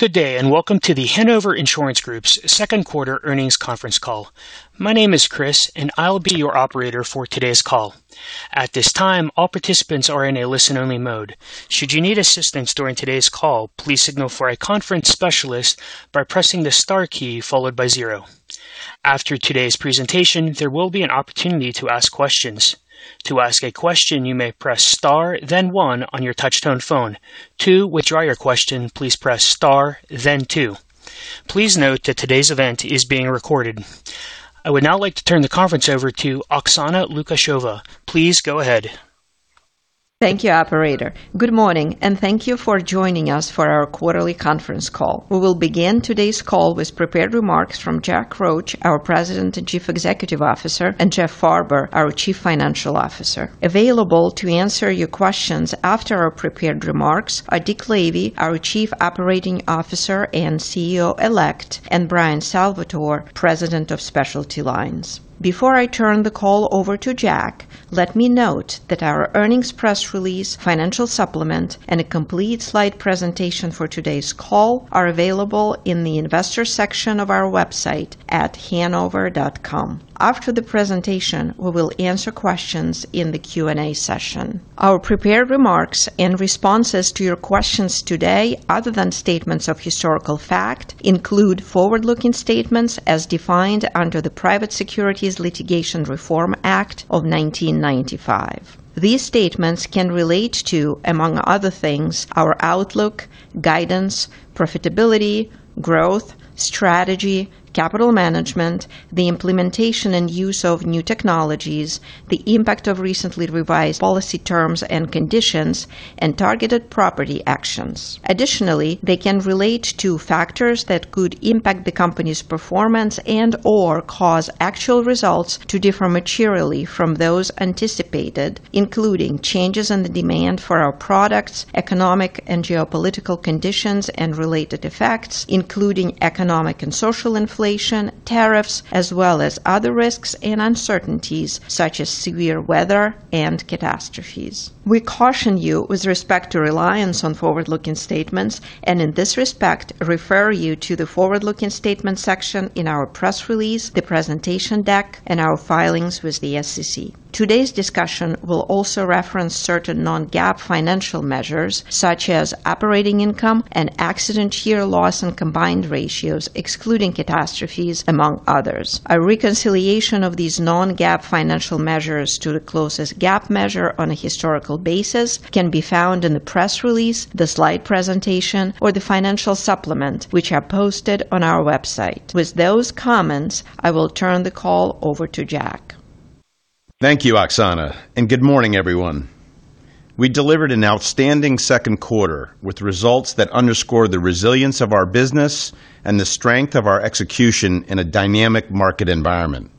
Good day, and welcome to The Hanover Insurance Group's second quarter earnings conference call. My name is Chris, and I'll be your operator for today's call. At this time, all participants are in a listen-only mode. Should you need assistance during today's call, please signal for a conference specialist by pressing the star key followed by zero. After today's presentation, there will be an opportunity to ask questions. To ask a question, you may press star then one on your touch-tone phone. To withdraw your question, please press star then two. Please note that today's event is being recorded. I would now like to turn the conference over to Oksana Lukasheva. Please go ahead. Thank you, operator. Good morning. Thank you for joining us for our quarterly conference call. We will begin today's call with prepared remarks from Jack Roche, our President and Chief Executive Officer, and Jeff Farber, our Chief Financial Officer. Available to answer your questions after our prepared remarks are Dick Lavey, our Chief Operating Officer and CEO-Elect, and Bryan Salvatore, President of Specialty Lines. Before I turn the call over to Jack, let me note that our earnings press release, financial supplement, and a complete slide presentation for today's call are available in the investor section of our website at hanover.com. After the presentation, we will answer questions in the Q&A session. Our prepared remarks and responses to your questions today, other than statements of historical fact, include forward-looking statements as defined under the Private Securities Litigation Reform Act of 1995. These statements can relate to, among other things, our outlook, guidance, profitability, growth, strategy, capital management, the implementation and use of new technologies, the impact of recently revised policy terms and conditions, and targeted property actions. Additionally, they can relate to factors that could impact the company's performance and/or cause actual results to differ materially from those anticipated, including changes in the demand for our products, economic and geopolitical conditions and related effects, including economic and social inflation, tariffs, as well as other risks and uncertainties such as severe weather and catastrophes. We caution you with respect to reliance on forward-looking statements and in this respect refer you to the forward-looking statements section in our press release, the presentation deck, and our filings with the SEC. Today's discussion will also reference certain non-GAAP financial measures such as operating income and accident year loss and combined ratios, excluding catastrophes, among others. A reconciliation of these non-GAAP financial measures to the closest GAAP measure on a historical basis can be found in the press release, the slide presentation, or the financial supplement, which are posted on our website. With those comments, I will turn the call over to Jack. Thank you, Oksana. Good morning, everyone. We delivered an outstanding second quarter with results that underscore the resilience of our business and the strength of our execution in a dynamic market environment.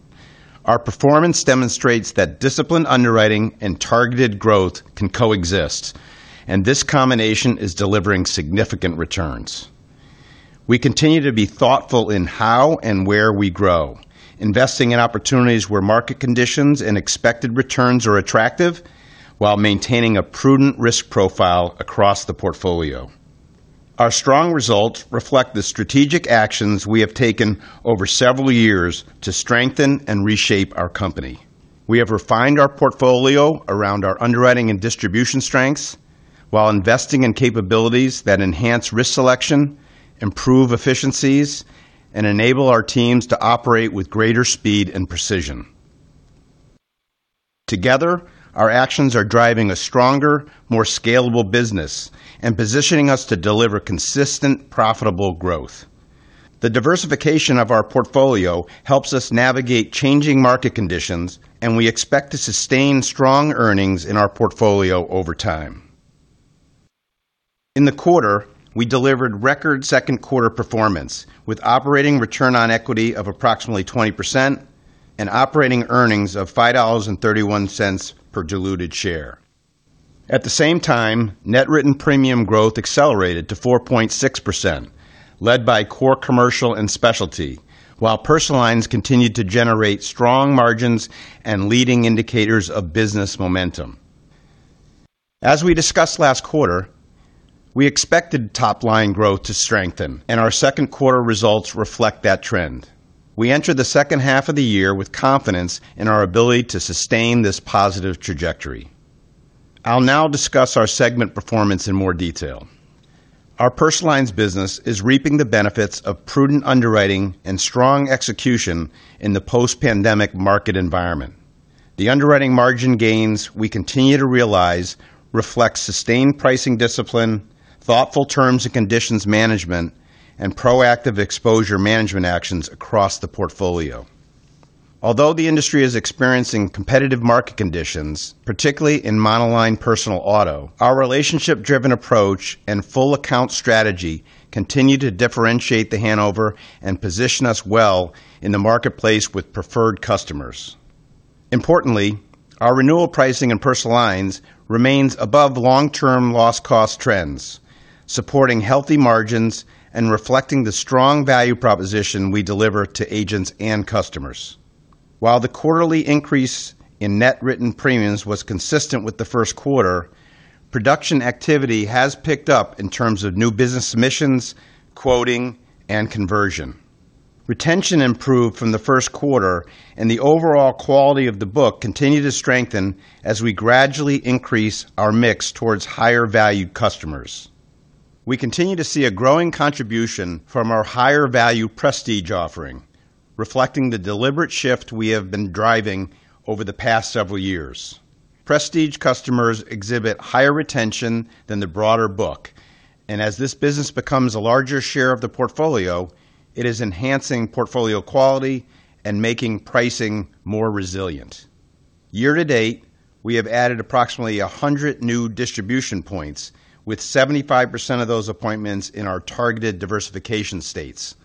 Our performance demonstrates that disciplined underwriting and targeted growth can coexist. This combination is delivering significant returns. We continue to be thoughtful in how and where we grow, investing in opportunities where market conditions and expected returns are attractive while maintaining a prudent risk profile across the portfolio. Our strong results reflect the strategic actions we have taken over several years to strengthen and reshape our company. We have refined our portfolio around our underwriting and distribution strengths while investing in capabilities that enhance risk selection, improve efficiencies and enable our teams to operate with greater speed and precision. Together, our actions are driving a stronger, more scalable business and positioning us to deliver consistent, profitable growth. The diversification of our portfolio helps us navigate changing market conditions. We expect to sustain strong earnings in our portfolio over time. In the quarter, we delivered record second quarter performance with operating return on equity of approximately 20% and operating earnings of $5.31 per diluted share. At the same time, net written premium growth accelerated to 4.6%, led by Core Commercial and Specialty, while Personal Lines continued to generate strong margins and leading indicators of business momentum. As we discussed last quarter, we expected top-line growth to strengthen. Our second quarter results reflect that trend. We enter the second half of the year with confidence in our ability to sustain this positive trajectory. I'll now discuss our segment performance in more detail. Our Personal Lines business is reaping the benefits of prudent underwriting and strong execution in the post-pandemic market environment. The underwriting margin gains we continue to realize reflect sustained pricing discipline, thoughtful terms and conditions management and proactive exposure management actions across the portfolio. Although the industry is experiencing competitive market conditions, particularly in monoline Personal Auto, our relationship-driven approach and full account strategy continue to differentiate The Hanover and position us well in the marketplace with preferred customers. Importantly, our renewal pricing in Personal Lines remains above long-term loss cost trends, supporting healthy margins and reflecting the strong value proposition we deliver to agents and customers. While the quarterly increase in net written premiums was consistent with the first quarter, production activity has picked up in terms of new business submissions, quoting and conversion. Retention improved from the first quarter. The overall quality of the book continued to strengthen as we gradually increase our mix towards higher-value customers. We continue to see a growing contribution from our higher-value Prestige offering, reflecting the deliberate shift we have been driving over the past several years. Prestige customers exhibit higher retention than the broader book. As this business becomes a larger share of the portfolio, it is enhancing portfolio quality and making pricing more resilient. Year-to-date, we have added approximately 100 new distribution points, with 75% of those appointments in our targeted diversification states,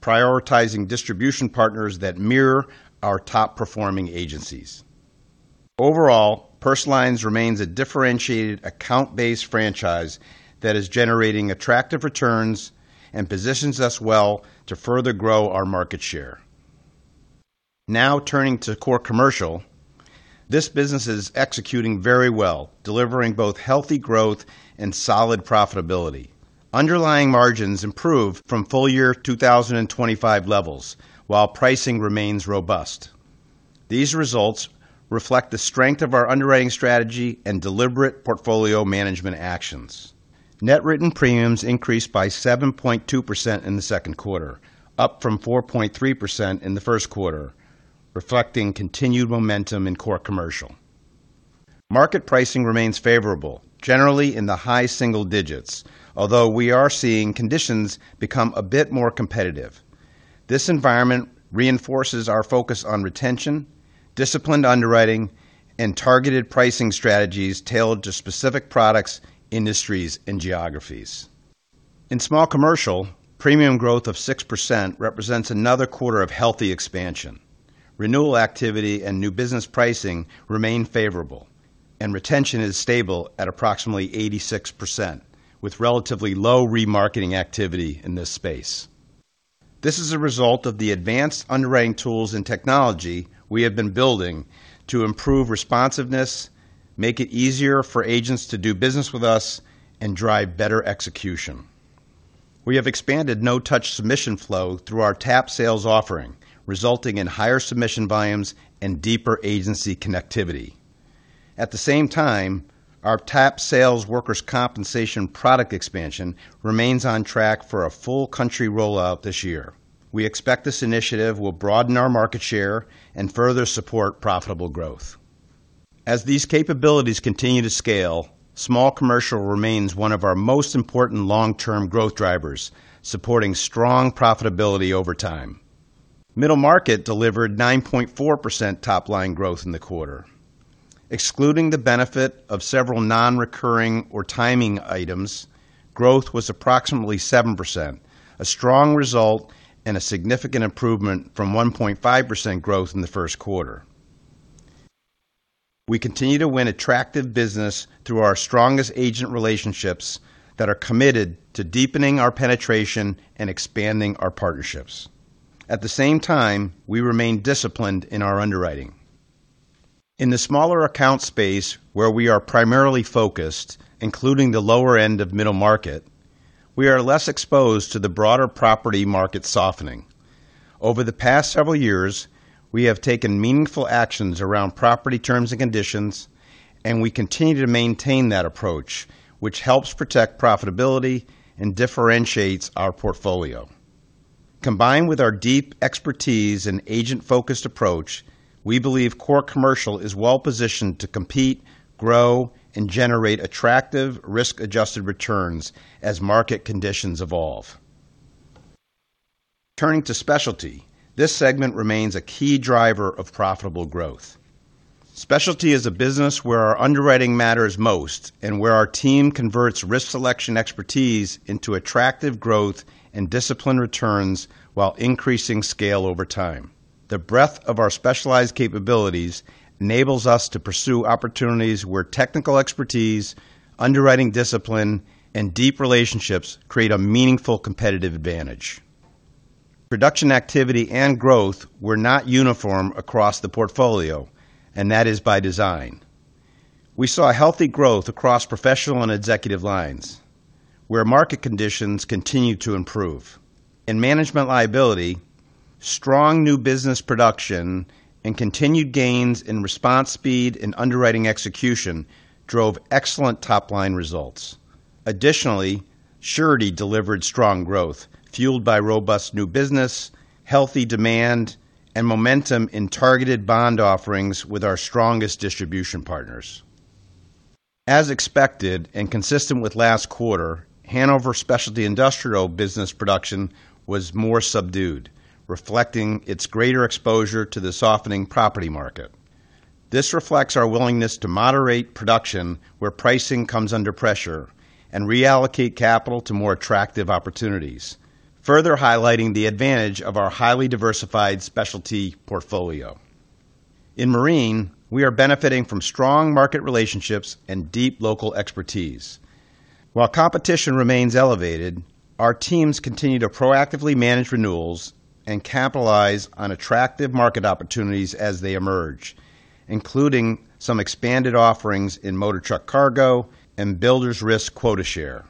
prioritizing distribution partners that mirror our top-performing agencies. Overall, Personal Lines remains a differentiated account-based franchise that is generating attractive returns and positions us well to further grow our market share. Now, turning to Core Commercial, this business is executing very well, delivering both healthy growth and solid profitability. Underlying margins improved from full year 2025 levels, while pricing remains robust. These results reflect the strength of our underwriting strategy and deliberate portfolio management actions. Net written premiums increased by 7.2% in the second quarter, up from 4.3% in the first quarter, reflecting continued momentum in Core Commercial. Market pricing remains favorable, generally in the high single digits, although we are seeing conditions become a bit more competitive. This environment reinforces our focus on retention, disciplined underwriting, and targeted pricing strategies tailored to specific products, industries, and geographies. In Small Commercial, premium growth of 6% represents another quarter of healthy expansion. Renewal activity and new business pricing remain favorable, and retention is stable at approximately 86%, with relatively low remarketing activity in this space. This is a result of the advanced underwriting tools and technology we have been building to improve responsiveness, make it easier for agents to do business with us, and drive better execution. We have expanded no-touch submission flow through our TAP Sales offering, resulting in higher submission volumes and deeper agency connectivity. At the same time, our TAP Sales workers' compensation product expansion remains on track for a full country rollout this year. We expect this initiative will broaden our market share and further support profitable growth. As these capabilities continue to scale, Small Commercial remains one of our most important long-term growth drivers, supporting strong profitability over time. Middle Market delivered 9.4% top-line growth in the quarter. Excluding the benefit of several non-recurring or timing items, growth was approximately 7%, a strong result and a significant improvement from 1.5% growth in the first quarter. We continue to win attractive business through our strongest agent relationships that are committed to deepening our penetration and expanding our partnerships. At the same time, we remain disciplined in our underwriting. In the smaller account space where we are primarily focused, including the lower end of Middle Market, we are less exposed to the broader property market softening. Over the past several years, we have taken meaningful actions around property terms and conditions, and we continue to maintain that approach, which helps protect profitability and differentiates our portfolio. Combined with our deep expertise and agent-focused approach, we believe Core Commercial is well-positioned to compete, grow, and generate attractive risk-adjusted returns as market conditions evolve. Turning to Specialty, this segment remains a key driver of profitable growth. Specialty is a business where our underwriting matters most and where our team converts risk selection expertise into attractive growth and disciplined returns while increasing scale over time. The breadth of our specialized capabilities enables us to pursue opportunities where technical expertise, underwriting discipline, and deep relationships create a meaningful competitive advantage. Production activity and growth were not uniform across the portfolio, and that is by design. We saw healthy growth across professional and executive lines, where market conditions continued to improve. In management liability, strong new business production and continued gains in response speed and underwriting execution drove excellent top-line results. Additionally, Surety delivered strong growth fueled by robust new business, healthy demand, and momentum in targeted bond offerings with our strongest distribution partners. As expected and consistent with last quarter, Hanover Specialty Industrial business production was more subdued, reflecting its greater exposure to the softening property market. This reflects our willingness to moderate production where pricing comes under pressure and reallocate capital to more attractive opportunities, further highlighting the advantage of our highly diversified Specialty portfolio. In Marine, we are benefiting from strong market relationships and deep local expertise. While competition remains elevated, our teams continue to proactively manage renewals and capitalize on attractive market opportunities as they emerge, including some expanded offerings in Motor Truck Cargo and Builders Risk Quota Share.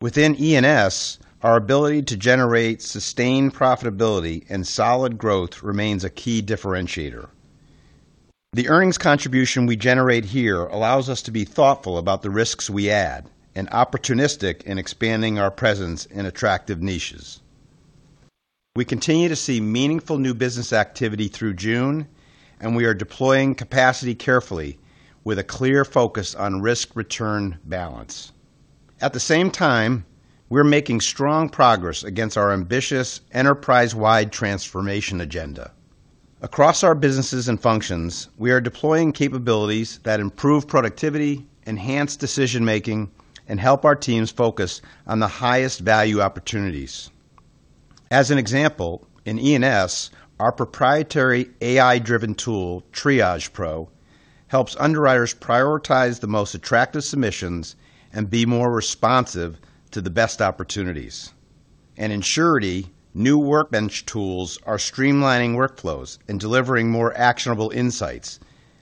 Within E&S, our ability to generate sustained profitability and solid growth remains a key differentiator. The earnings contribution we generate here allows us to be thoughtful about the risks we add and opportunistic in expanding our presence in attractive niches. We continue to see meaningful new business activity through June, we are deploying capacity carefully with a clear focus on risk-return balance. At the same time, we're making strong progress against our ambitious enterprise-wide transformation agenda. Across our businesses and functions, we are deploying capabilities that improve productivity, enhance decision-making, and help our teams focus on the highest value opportunities. As an example, in E&S, our proprietary AI-driven tool, Triage Pro, helps underwriters prioritize the most attractive submissions and be more responsive to the best opportunities. In Surety, new workbench tools are streamlining workflows and delivering more actionable insights,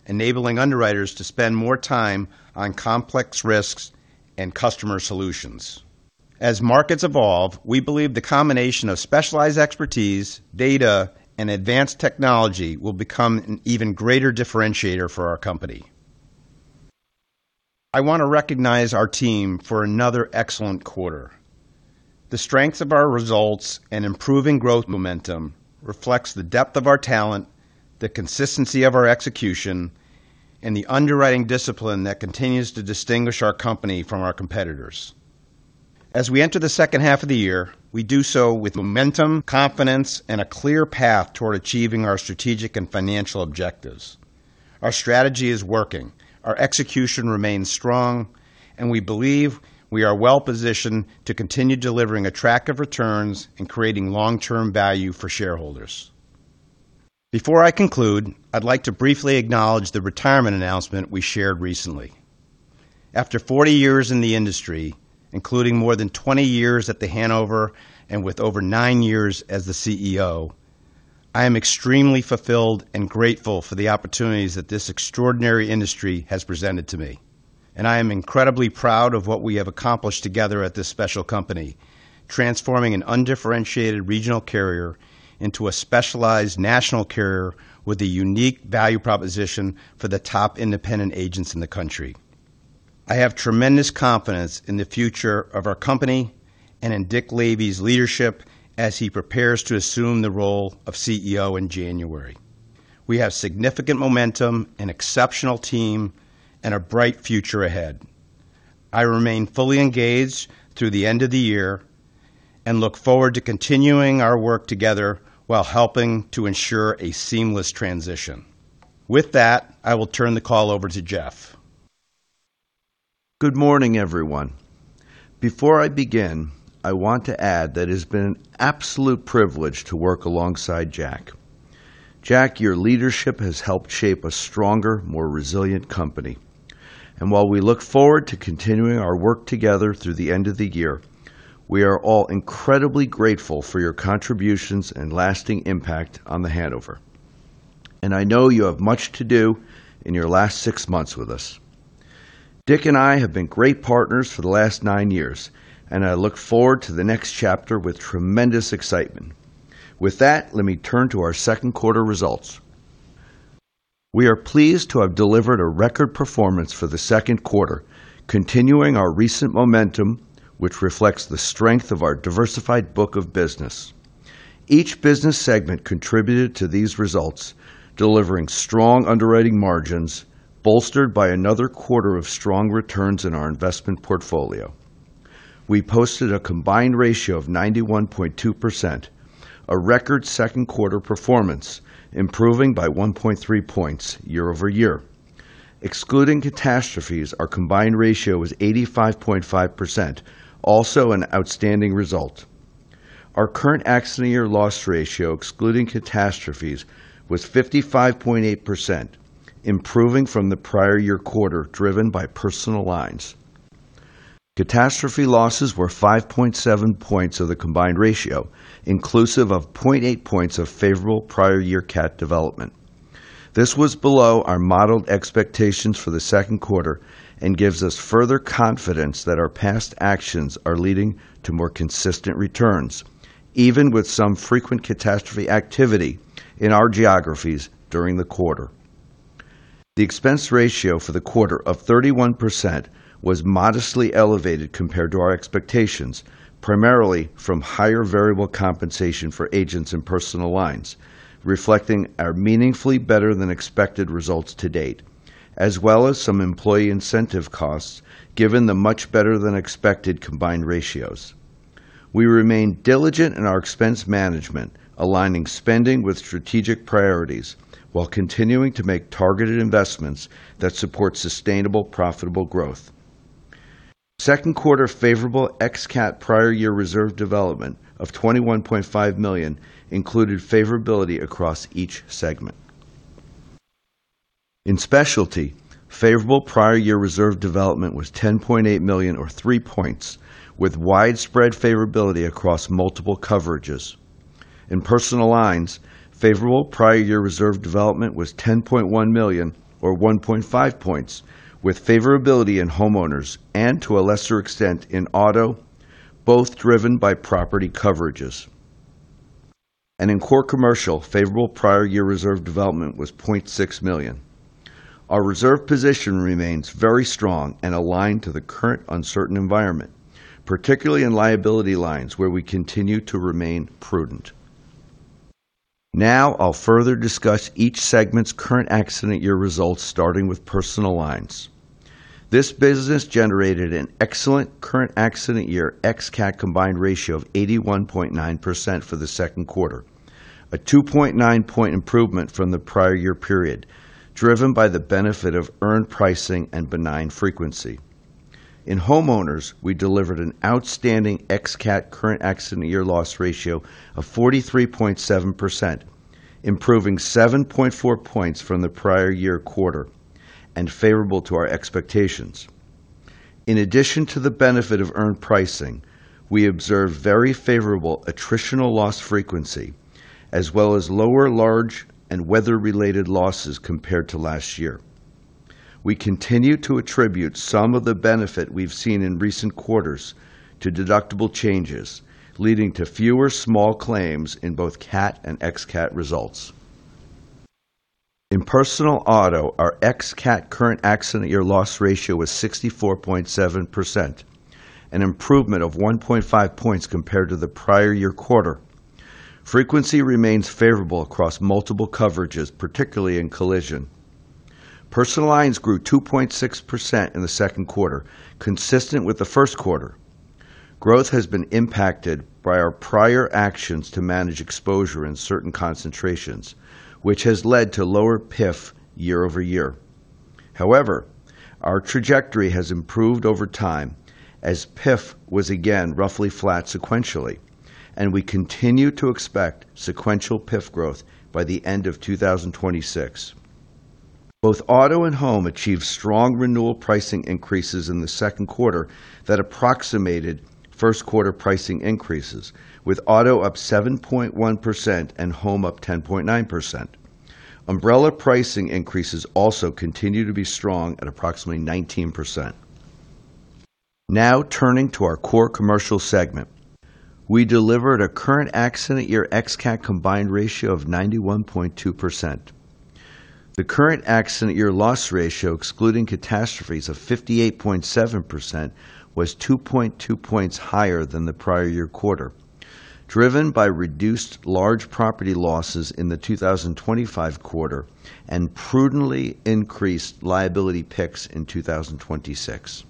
enabling underwriters to spend more time on complex risks and customer solutions. As markets evolve, we believe the combination of specialized expertise, data, and advanced technology will become an even greater differentiator for our company. I want to recognize our team for another excellent quarter. The strength of our results and improving growth momentum reflects the depth of our talent, the consistency of our execution, and the underwriting discipline that continues to distinguish our company from our competitors. As we enter the second half of the year, we do so with momentum, confidence, and a clear path toward achieving our strategic and financial objectives. Our strategy is working, our execution remains strong, we believe we are well-positioned to continue delivering attractive returns and creating long-term value for shareholders. Before I conclude, I'd like to briefly acknowledge the retirement announcement we shared recently. After 40 years in the industry, including more than 20 years at The Hanover and with over nine years as the CEO, I am extremely fulfilled and grateful for the opportunities that this extraordinary industry has presented to me, I am incredibly proud of what we have accomplished together at this special company, transforming an undifferentiated regional carrier into a specialized national carrier with a unique value proposition for the top independent agents in the country. I have tremendous confidence in the future of our company and in Richard Lavey's leadership as he prepares to assume the role of CEO in January. We have significant momentum, an exceptional team, a bright future ahead. I remain fully engaged through the end of the year and look forward to continuing our work together while helping to ensure a seamless transition. With that, I will turn the call over to Jeff. Good morning, everyone. Before I begin, I want to add that it has been an absolute privilege to work alongside Jack. Jack, your leadership has helped shape a stronger, more resilient company. While we look forward to continuing our work together through the end of the year, we are all incredibly grateful for your contributions and lasting impact on The Hanover. I know you have much to do in your last six months with us. Dick and I have been great partners for the last nine years, and I look forward to the next chapter with tremendous excitement. With that, let me turn to our second quarter results. We are pleased to have delivered a record performance for the second quarter, continuing our recent momentum, which reflects the strength of our diversified book of business. Each business segment contributed to these results, delivering strong underwriting margins, bolstered by another quarter of strong returns in our investment portfolio. We posted a combined ratio of 91.2%, a record second quarter performance, improving by 1.3 points year-over-year. Excluding CAT, our combined ratio was 85.5%, also an outstanding result. Our current accident year loss ratio, excluding CAT, was 55.8%, improving from the prior year quarter, driven by Personal Lines. CAT losses were 5.7 points of the combined ratio, inclusive of 0.8 points of favorable prior year CAT development. This was below our modeled expectations for the second quarter and gives us further confidence that our past actions are leading to more consistent returns, even with some frequent CAT activity in our geographies during the quarter. The expense ratio for the quarter of 31% was modestly elevated compared to our expectations, primarily from higher variable compensation for agents and Personal Lines, reflecting our meaningfully better than expected results to date, as well as some employee incentive costs given the much better than expected combined ratios. We remain diligent in our expense management, aligning spending with strategic priorities while continuing to make targeted investments that support sustainable, profitable growth. Second quarter favorable ex-CAT prior year reserve development of $21.5 million included favorability across each segment. In Specialty, favorable prior year reserve development was $10.8 million or 3 points, with widespread favorability across multiple coverages. In Personal Lines, favorable prior year reserve development was $10.1 million or 1.5 points, with favorability in Homeowners and, to a lesser extent, in Personal Auto, both driven by property coverages. In Core Commercial, favorable prior year reserve development was $0.6 million. Our reserve position remains very strong and aligned to the current uncertain environment, particularly in liability lines where we continue to remain prudent. I'll further discuss each segment's current accident year results, starting with Personal Lines. This business generated an excellent current accident year ex-CAT combined ratio of 81.9% for the second quarter, a 2.9-point improvement from the prior year period, driven by the benefit of earned pricing and benign frequency. In Homeowners, we delivered an outstanding ex-CAT current accident year loss ratio of 43.7%, improving 7.4 points from the prior year quarter and favorable to our expectations. In addition to the benefit of earned pricing, we observed very favorable attritional loss frequency, as well as lower large and weather-related losses compared to last year. We continue to attribute some of the benefit we've seen in recent quarters to deductible changes, leading to fewer small claims in both CAT and ex-CAT results. In Personal Auto, our ex-CAT current accident year loss ratio was 64.7%, an improvement of 1.5 points compared to the prior year quarter. Frequency remains favorable across multiple coverages, particularly in collision. Personal Lines grew 2.6% in the second quarter, consistent with the first quarter. Growth has been impacted by our prior actions to manage exposure in certain concentrations, which has led to lower PIF year-over-year. However, our trajectory has improved over time as PIF was again roughly flat sequentially, and we continue to expect sequential PIF growth by the end of 2026. Both auto and home achieved strong renewal pricing increases in the second quarter that approximated first-quarter pricing increases, with auto up 7.1% and home up 10.9%. Umbrella pricing increases also continue to be strong at approximately 19%. Turning to our Core Commercial segment. We delivered a current accident year ex-CAT combined ratio of 91.2%. The current accident year loss ratio, excluding catastrophes of 58.7%, was 2.2 points higher than the prior year quarter, driven by reduced large property losses in the 2025 quarter and prudently increased liability picks in 2026.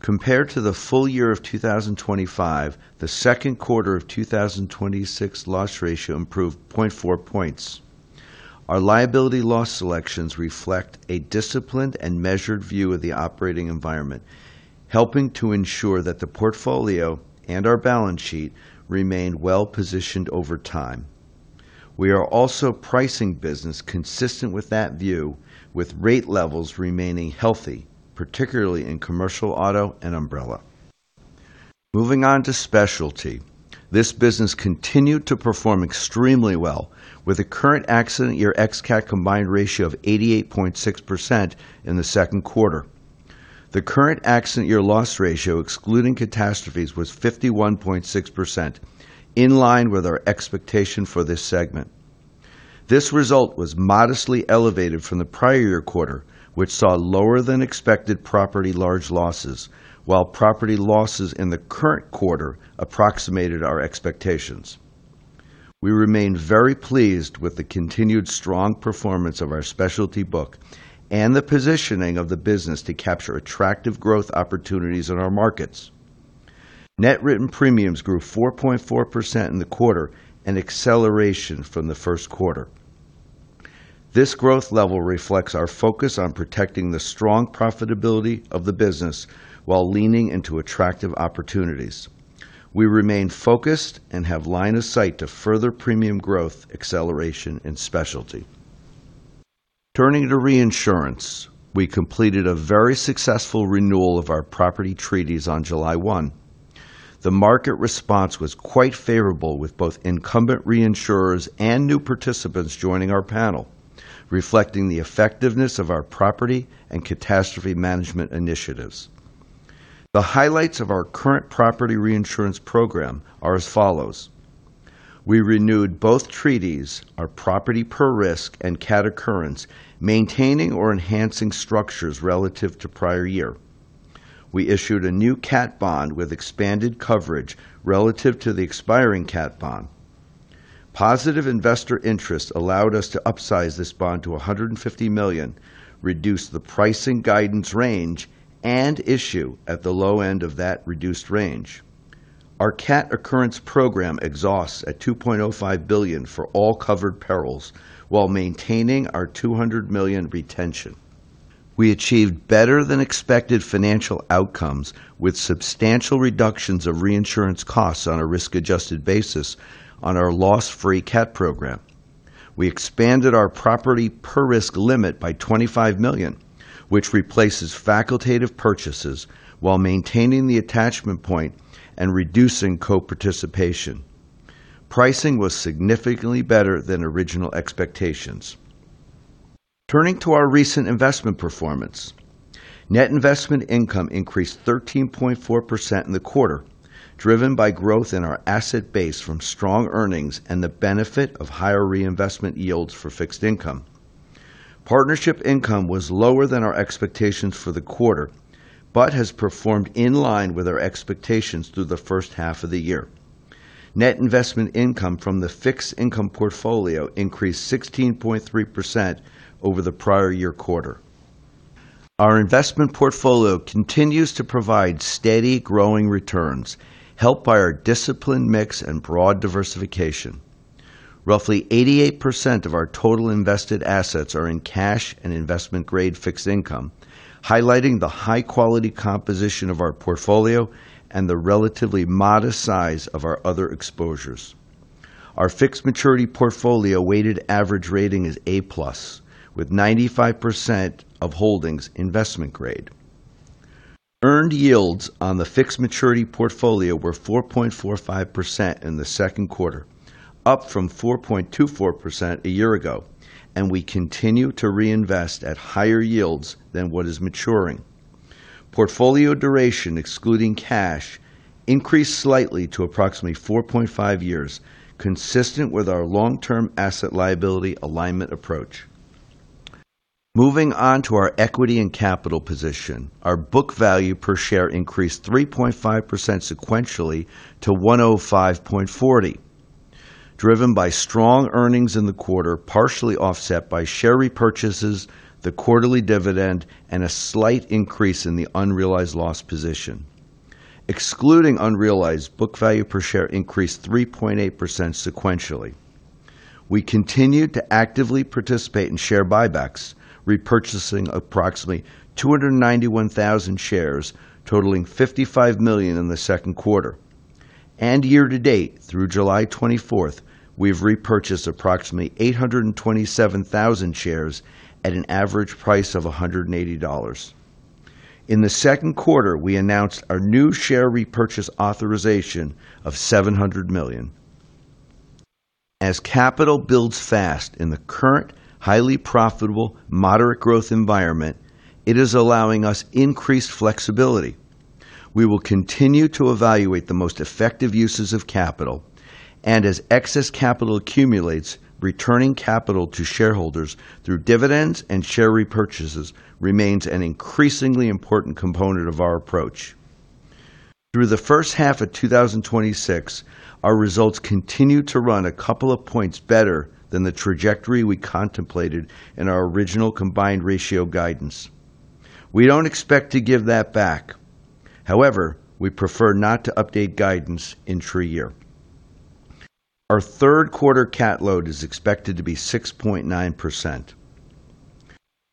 Compared to the full year of 2025, the second quarter of 2026 loss ratio improved 0.4 points. Our liability loss selections reflect a disciplined and measured view of the operating environment, helping to ensure that the portfolio and our balance sheet remain well-positioned over time. We are also pricing business consistent with that view, with rate levels remaining healthy, particularly in Commercial Auto and umbrella. Moving on to Specialty. This business continued to perform extremely well with a current accident year ex-CAT combined ratio of 88.6% in the second quarter. The current accident year loss ratio excluding CAT was 51.6%, in line with our expectation for this segment. This result was modestly elevated from the prior year quarter, which saw lower than expected property large losses, while property losses in the current quarter approximated our expectations. We remain very pleased with the continued strong performance of our Specialty book and the positioning of the business to capture attractive growth opportunities in our markets. Net written premiums grew 4.4% in the quarter, an acceleration from the first quarter. This growth level reflects our focus on protecting the strong profitability of the business while leaning into attractive opportunities. We remain focused and have line of sight to further premium growth acceleration in Specialty. Turning to reinsurance. We completed a very successful renewal of our property treaties on July 1. The market response was quite favorable, with both incumbent reinsurers and new participants joining our panel, reflecting the effectiveness of our property and catastrophe management initiatives. The highlights of our current property reinsurance program are as follows. We renewed both treaties, our property per risk, and CAT occurrence, maintaining or enhancing structures relative to prior year. We issued a new CAT bond with expanded coverage relative to the expiring CAT bond. Positive investor interest allowed us to upsize this bond to $150 million, reduce the pricing guidance range, and issue at the low end of that reduced range. Our CAT occurrence program exhausts at $2.05 billion for all covered perils while maintaining our $200 million retention. We achieved better than expected financial outcomes with substantial reductions of reinsurance costs on a risk-adjusted basis on our loss-free CAT program. We expanded our property per risk limit by $25 million, which replaces facultative purchases while maintaining the attachment point and reducing co-participation. Pricing was significantly better than original expectations. Turning to our recent investment performance, net investment income increased 13.4% in the quarter, driven by growth in our asset base from strong earnings and the benefit of higher reinvestment yields for fixed income. Partnership income was lower than our expectations for the quarter, but has performed in line with our expectations through the first half of the year. Net investment income from the fixed income portfolio increased 16.3% over the prior year quarter. Our investment portfolio continues to provide steady growing returns, helped by our disciplined mix and broad diversification. Roughly 88% of our total invested assets are in cash and investment-grade fixed income, highlighting the high-quality composition of our portfolio and the relatively modest size of our other exposures. Our fixed maturity portfolio weighted average rating is A+, with 95% of holdings investment-grade. Earned yields on the fixed maturity portfolio were 4.45% in the second quarter, up from 4.24% a year ago, and we continue to reinvest at higher yields than what is maturing. Portfolio duration, excluding cash, increased slightly to approximately 4.5 years, consistent with our long-term asset liability alignment approach. Moving on to our equity and capital position. Our book value per share increased 3.5% sequentially to $105.40, driven by strong earnings in the quarter, partially offset by share repurchases, the quarterly dividend, and a slight increase in the unrealized loss position. Excluding unrealized, book value per share increased 3.8% sequentially. We continued to actively participate in share buybacks, repurchasing approximately 291,000 shares totaling $55 million in the second quarter. Year-to-date, through July 24th, we've repurchased approximately 827,000 shares at an average price of $180. In the second quarter, we announced our new share repurchase authorization of $700 million. As capital builds fast in the current highly profitable, moderate growth environment, it is allowing us increased flexibility. We will continue to evaluate the most effective uses of capital and as excess capital accumulates, returning capital to shareholders through dividends and share repurchases remains an increasingly important component of our approach. Through the first half of 2026, our results continued to run a couple of points better than the trajectory we contemplated in our original combined ratio guidance. We don't expect to give that back. However, we prefer not to update guidance into year. Our third quarter CAT load is expected to be 6.9%.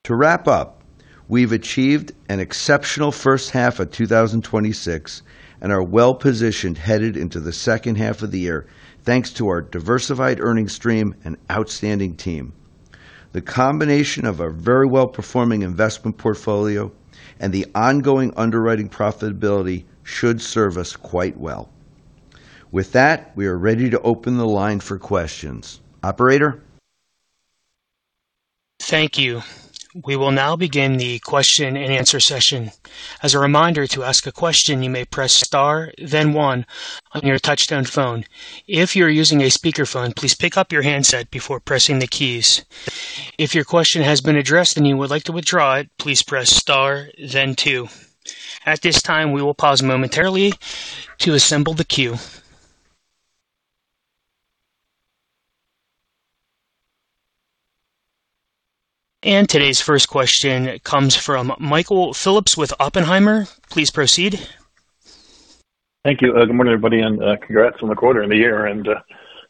To wrap up, we've achieved an exceptional first half of 2026 and are well-positioned headed into the second half of the year, thanks to our diversified earnings stream and outstanding team. The combination of a very well-performing investment portfolio and the ongoing underwriting profitability should serve us quite well. With that, we are ready to open the line for questions. Operator? Thank you. We will now begin the question and answer session. As a reminder, to ask a question, you may press star then one on your touchtone phone. If you're using a speakerphone, please pick up your handset before pressing the keys. If your question has been addressed and you would like to withdraw it, please press star then two. At this time, we will pause momentarily to assemble the queue. Today's first question comes from Michael Phillips with Oppenheimer. Please proceed. Thank you. Good morning, everybody, and congrats on the quarter and the year and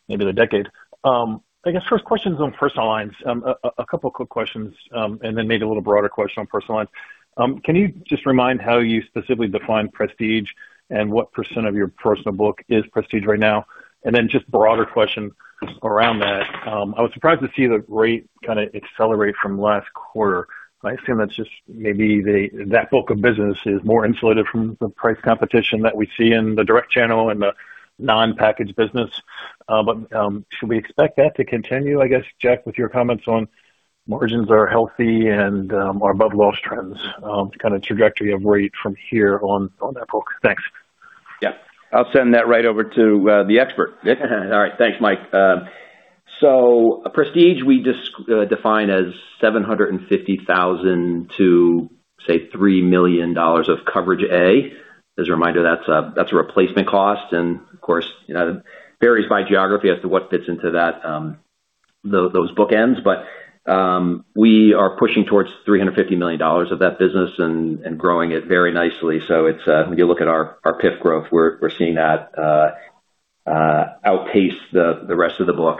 maybe the decade. I guess first question is on Personal Lines. A couple of quick questions, then maybe a little broader question on Personal Lines. Can you just remind how you specifically define Prestige and what % of your personal book is Prestige right now? Then just broader question around that. I was surprised to see the rate kind of accelerate from last quarter. I assume that's just maybe that book of business is more insulated from the price competition that we see in the direct channel and the non-packaged business. Should we expect that to continue, I guess, Jack, with your comments on margins are healthy and are above loss trends, kind of trajectory of rate from here on that book? Thanks. Yeah. I'll send that right over to the expert. All right. Thanks, Mike. Prestige, we define as $750,000 to, say, $3 million of Coverage A. As a reminder, that's a replacement cost, and of course, varies by geography as to what fits into those bookends. We are pushing towards $350 million of that business and growing it very nicely. When you look at our PIF growth, we're seeing that outpace the rest of the book.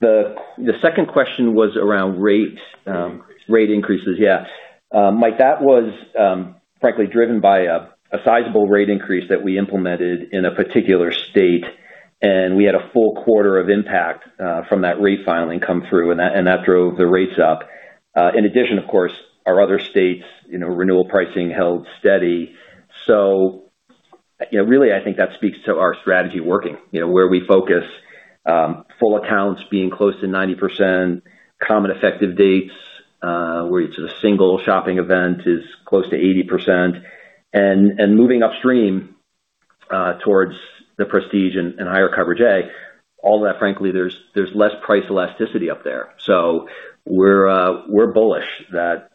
The second question was around rate increases. Yeah. Mike, that was frankly driven by a sizable rate increase that we implemented in a particular state, and we had a full quarter of impact from that rate filing come through, and that drove the rates up. In addition, of course, our other states, renewal pricing held steady. Really, I think that speaks to our strategy working. Where we focus, full accounts being close to 90%, common effective dates, where it's a single shopping event is close to 80%. Moving upstream towards the Prestige and higher Coverage A, all that, frankly, there's less price elasticity up there. We're bullish that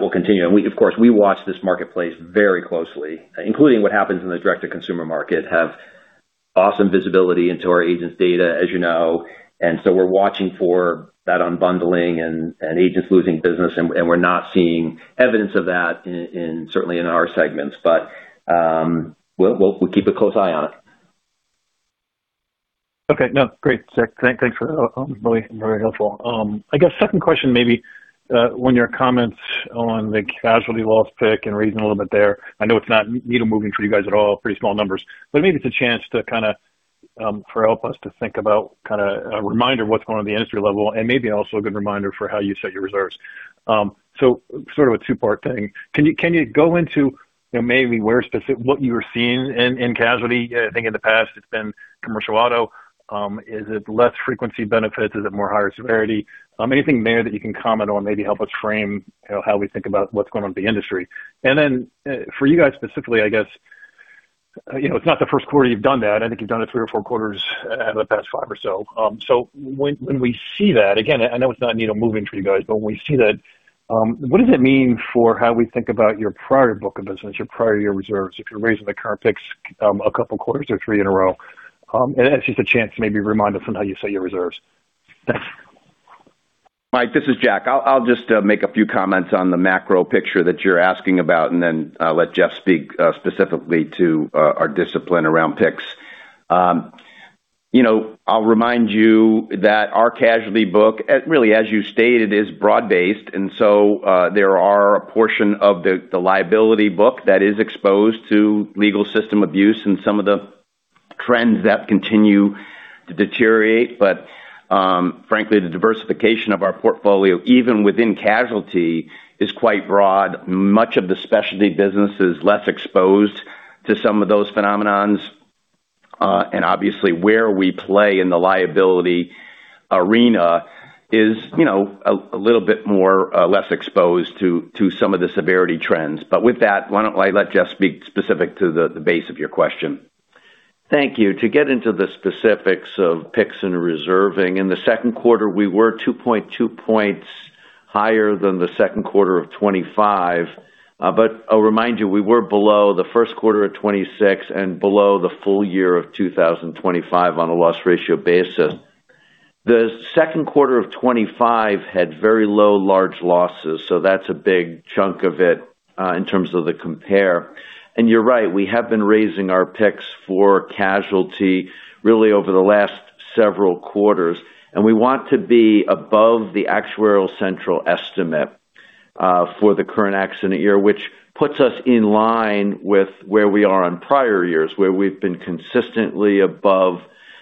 will continue. Of course, we watch this marketplace very closely, including what happens in the direct-to-consumer market, have awesome visibility into our agents' data, as you know. We're watching for that unbundling and agents losing business, and we're not seeing evidence of that certainly in our segments. We'll keep a close eye on it. Okay. No, great. Thanks for that. Really helpful. I guess second question maybe on your comments on the casualty loss pick and raising a little bit there. I know it's not needle moving for you guys at all, pretty small numbers, but maybe it's a chance to kind of help us to think about kind of a reminder what's going on at the industry level and maybe also a good reminder for how you set your reserves. Sort of a two-part thing. Can you go into maybe what you were seeing in casualty? I think in the past, it's been Commercial Auto. Is it less frequency benefits? Is it more higher severity? Anything there that you can comment on, maybe help us frame how we think about what's going on with the industry. For you guys specifically, I guess, it's not the first quarter you've done that. I think you've done it three or four quarters out of the past five or so. When we see that, again, I know it's not needle moving for you guys, but when we see that, what does it mean for how we think about your prior book of business, your prior year reserves, if you're raising the current picks a couple quarters or three in a row? That's just a chance to maybe remind us on how you set your reserves. Thanks. Mike, this is Jack. I will just make a few comments on the macro picture that you are asking about, and then I will let Jeff speak specifically to our discipline around picks. I will remind you that our casualty book, really, as you stated, is broad-based. There are a portion of the liability book that is exposed to legal system abuse and some of the trends that continue to deteriorate. Frankly, the diversification of our portfolio, even within casualty, is quite broad. Much of the Specialty business is less exposed to some of those phenomenons. Obviously, where we play in the liability arena is a little bit less exposed to some of the severity trends. With that, why don't I let Jeff speak specific to the base of your question? Thank you. To get into the specifics of picks and reserving, in the second quarter, we were 2.2 points higher than the second quarter of 2025. I will remind you, we were below the first quarter of 2026 and below the full year of 2025 on a loss ratio basis. The second quarter of 2025 had very low large losses, so that is a big chunk of it in terms of the compare. You are right, we have been raising our picks for casualty really over the last several quarters, and we want to be above the actuarial central estimate for the current accident year, which puts us in line with where we are on prior years, where we have been consistently above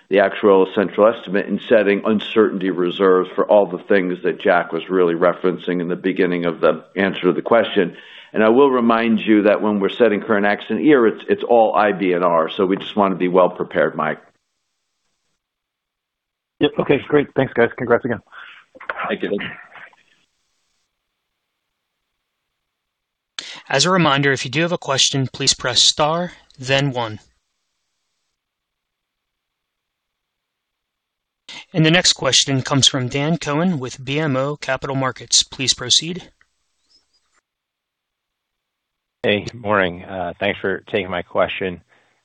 the actuarial central estimate in setting uncertainty reserves for all the things that Jack was really referencing in the beginning of the answer to the question. I will remind you that when we are setting current accident year, it is all IBNR. We just want to be well prepared, Mike. Yep. Okay, great. Thanks, guys. Congrats again. Thank you. As a reminder, if you do have a question, please press star, then one. The next question comes from Dan Cohen with BMO Capital Markets. Please proceed. Hey, good morning. Thanks for taking my question.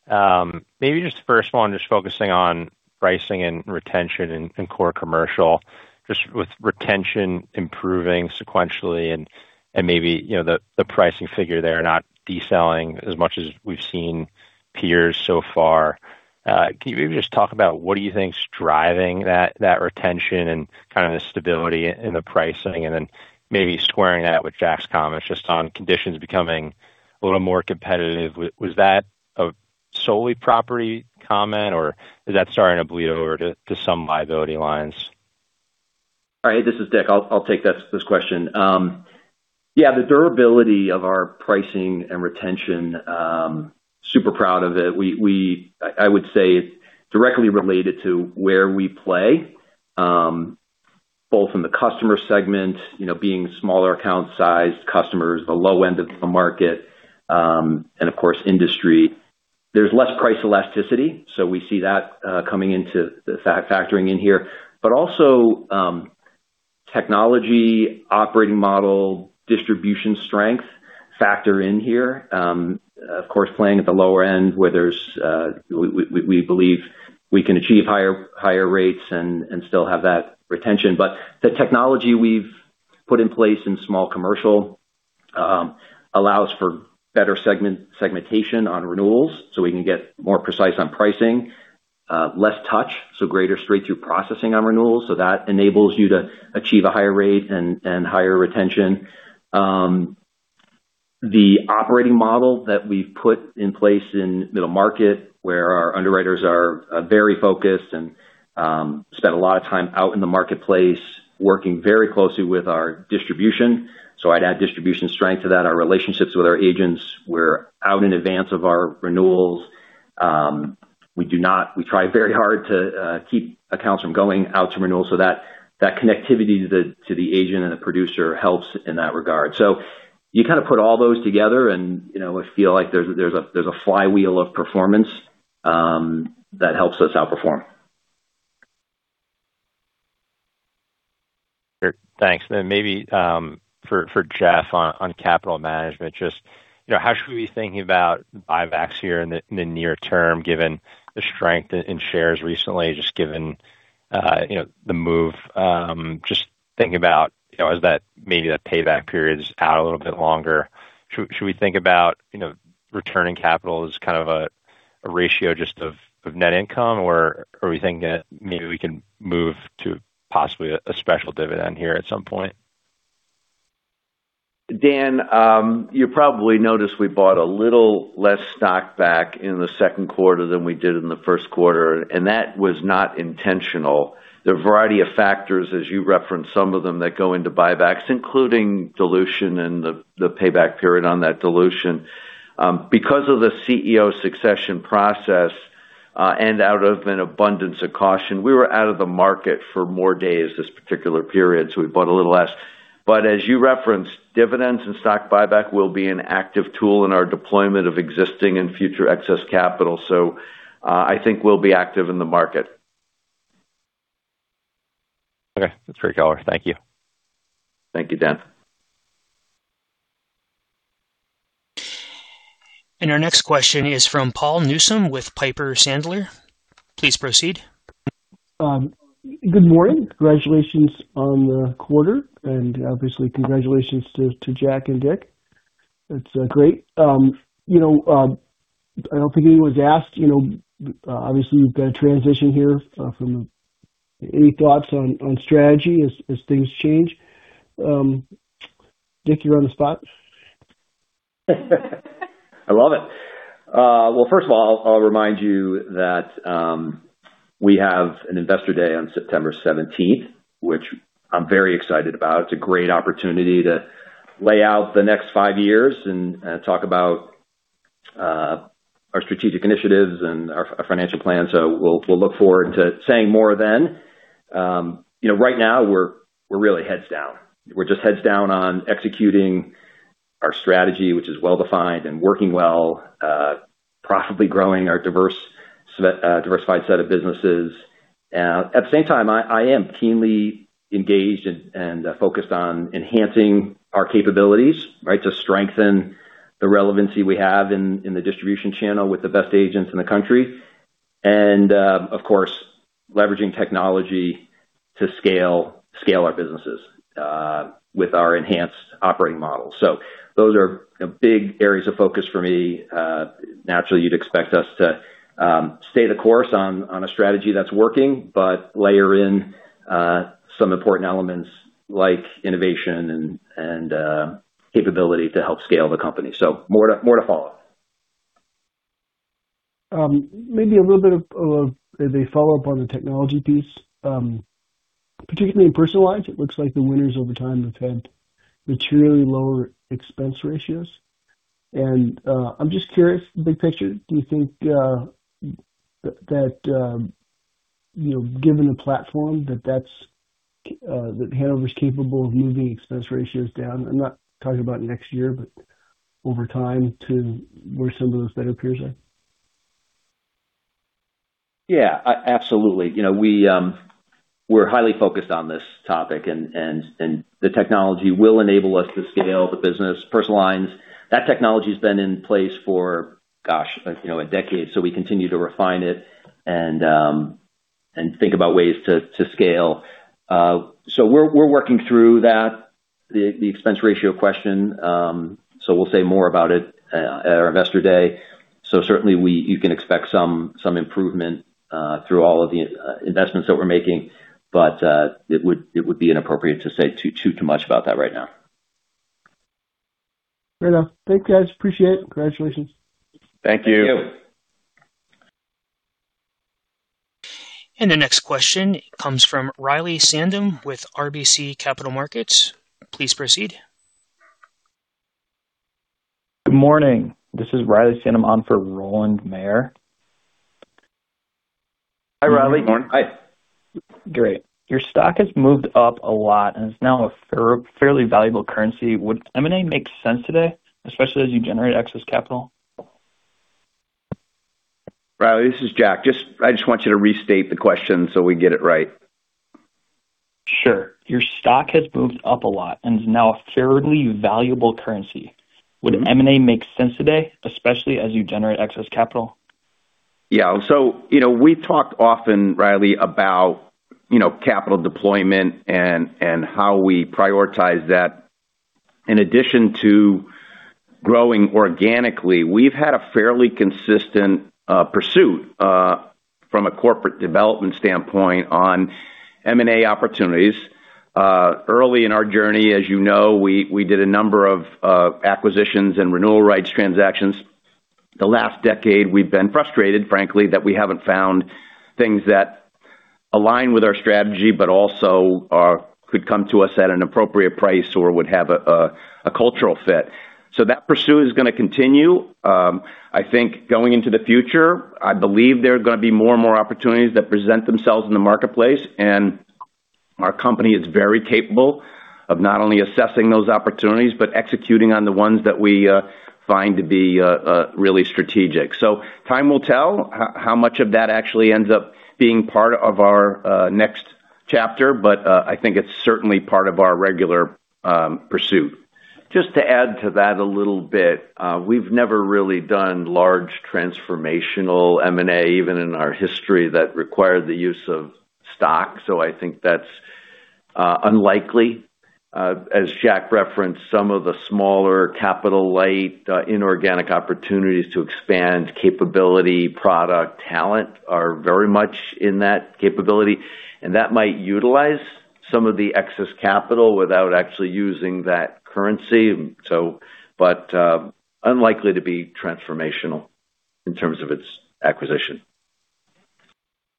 Maybe just first of all, I'm just focusing on pricing and retention in Core Commercial, just with retention improving sequentially and maybe the pricing figure there, not decelerating as much as we've seen peers so far. Can you maybe just talk about what do you think's driving that retention and kind of the stability in the pricing, and then maybe squaring that with Jack's comments just on conditions becoming a little more competitive. Was that a solely property comment, or is that starting to bleed over to some liability lines? All right. This is Dick. I'll take this question. The durability of our pricing and retention, super proud of it. I would say it's directly related to where we play, both in the customer segment, being smaller account sized customers, the low end of the market, and of course, industry. There's less price elasticity. We see that factoring in here. Also, technology, operating model, distribution strength factor in here. Of course, playing at the lower end where we believe we can achieve higher rates and still have that retention. The technology we've put in place in Small Commercial allows for better segmentation on renewals, so we can get more precise on pricing. Less touch, so greater straight-through processing on renewals, so that enables you to achieve a higher rate and higher retention. The operating model that we've put in place in middle market, where our underwriters are very focused and spend a lot of time out in the marketplace working very closely with our distribution. I'd add distribution strength to that. Our relationships with our agents, we're out in advance of our renewals. We try very hard to keep accounts from going out to renewal, that connectivity to the agent and the producer helps in that regard. You kind of put all those together and I feel like there's a flywheel of performance that helps us outperform. Sure. Thanks. Maybe for Jeff on capital management, how should we be thinking about buybacks here in the near term given the strength in shares recently, given the move, thinking about maybe that payback period is out a little bit longer. Should we think about returning capital as kind of a ratio of net income, or are we thinking that maybe we can move to possibly a special dividend here at some point? Dan, you probably noticed we bought a little less stock back in the second quarter than we did in the first quarter, that was not intentional. There are a variety of factors, as you referenced, some of them that go into buybacks, including dilution and the payback period on that dilution. Because of the CEO succession process, out of an abundance of caution, we were out of the market for more days this particular period, we bought a little less. As you referenced, dividends and stock buyback will be an active tool in our deployment of existing and future excess capital. I think we'll be active in the market. Okay. That's pretty clear. Thank you. Thank you, Dan. Our next question is from Paul Newsome with Piper Sandler. Please proceed. Good morning. Congratulations on the quarter, obviously congratulations to Jack and Dick. It is great. I do not think anyone has asked, obviously you have got a transition here. Any thoughts on strategy as things change? Dick, you are on the spot. I love it. Well, first of all, I will remind you that we have an investor day on September 17th, which I am very excited about. It is a great opportunity to lay out the next five years and talk about our strategic initiatives and our financial plan. We will look forward to saying more then. Right now we are really heads down. We are just heads down on executing our strategy, which is well-defined and working well, profitably growing our diversified set of businesses. At the same time, I am keenly engaged and focused on enhancing our capabilities, right? To strengthen the relevancy we have in the distribution channel with the best agents in the country. Of course, leveraging technology to scale our businesses with our enhanced operating model. Those are big areas of focus for me. Naturally, you'd expect us to stay the course on a strategy that's working, but layer in some important elements like innovation and capability to help scale the company. More to follow. Maybe a little bit of a follow-up on the technology piece. Particularly in Personal Lines, it looks like the winners over time have had materially lower expense ratios. I'm just curious, big picture, do you think that given the platform, that The Hanover's capable of moving expense ratios down? I'm not talking about next year, but over time to where some of those better peers are? Yeah. Absolutely. We're highly focused on this topic, and the technology will enable us to scale the business. Personal Lines, that technology's been in place for, gosh, a decade, we continue to refine it and think about ways to scale. We're working through that, the expense ratio question. We'll say more about it at our investor day. Certainly you can expect some improvement, through all of the investments that we're making. It would be inappropriate to say too much about that right now. Fair enough. Thanks, guys, appreciate it. Congratulations. Thank you. Thank you. The next question comes from Riley Sandham with RBC Capital Markets. Please proceed. Good morning. This is Riley Sandham on for Rowland Mayor. Hi, Riley. Good morning. Hi. Great. Your stock has moved up a lot and is now a fairly valuable currency. Would M&A make sense today, especially as you generate excess capital? Riley, this is Jack. I just want you to restate the question so we get it right. Sure. Your stock has moved up a lot and is now a fairly valuable currency. Would M&A make sense today, especially as you generate excess capital? We've talked often, Riley, about capital deployment and how we prioritize that. In addition to growing organically, we've had a fairly consistent pursuit from a corporate development standpoint on M&A opportunities. Early in our journey, as you know, we did a number of acquisitions and renewal rights transactions. The last decade, we've been frustrated, frankly, that we haven't found things that align with our strategy, but also could come to us at an appropriate price or would have a cultural fit. That pursuit is going to continue. I think going into the future, I believe there are going to be more and more opportunities that present themselves in the marketplace, and our company is very capable of not only assessing those opportunities, but executing on the ones that we find to be really strategic. Time will tell how much of that actually ends up being part of our next chapter. I think it's certainly part of our regular pursuit. Just to add to that a little bit. We've never really done large transformational M&A, even in our history, that required the use of stock. I think that's unlikely. As Jack referenced, some of the smaller capital light inorganic opportunities to expand capability, product, talent are very much in that capability, and that might utilize some of the excess capital without actually using that currency. Unlikely to be transformational in terms of its acquisition.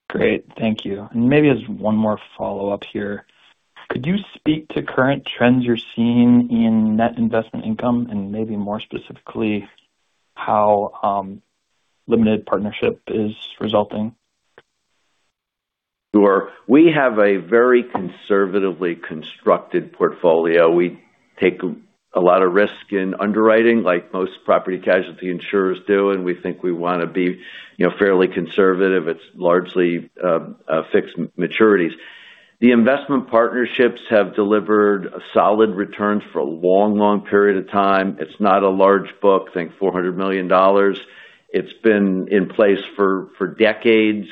Great. Thank you. Maybe just one more follow-up here. Could you speak to current trends you're seeing in net investment income and maybe more specifically, how limited partnership is resulting? Sure. We have a very conservatively constructed portfolio. We take a lot of risk in underwriting, like most property casualty insurers do, and we think we want to be fairly conservative. It's largely fixed maturities. The investment partnerships have delivered solid returns for a long period of time. It's not a large book, think $400 million. It's been in place for decades.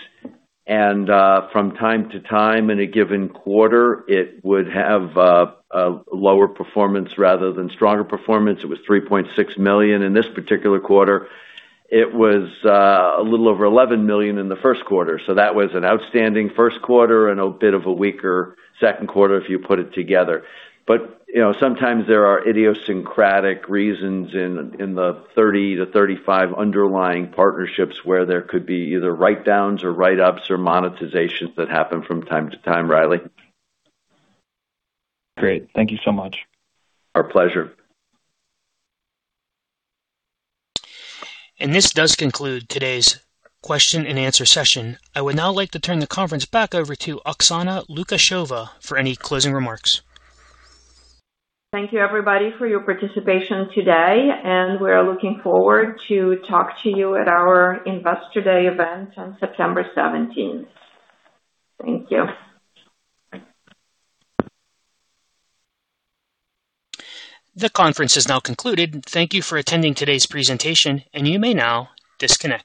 From time to time, in a given quarter, it would have a lower performance rather than stronger performance. It was $3.6 million in this particular quarter. It was a little over $11 million in the first quarter. That was an outstanding first quarter and a bit of a weaker second quarter if you put it together. Sometimes there are idiosyncratic reasons in the 30-35 underlying partnerships where there could be either write-downs or write-ups or monetizations that happen from time to time, Riley. Great. Thank you so much. Our pleasure. This does conclude today's question and answer session. I would now like to turn the conference back over to Oksana Lukasheva for any closing remarks. Thank you, everybody, for your participation today, and we're looking forward to talk to you at our Investor Day event on September 17th. Thank you. The conference is now concluded. Thank you for attending today's presentation, and you may now disconnect.